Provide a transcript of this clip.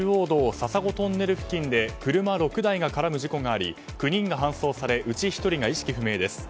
笹子トンネル付近で車６台が絡む事故があり９人が搬送されうち１人が意識不明です。